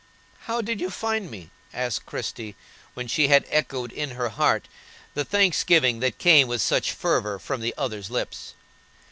"How did you find me?" asked Christie, when she had echoed in her heart the thanksgiving that came with such fervor from the other's lips.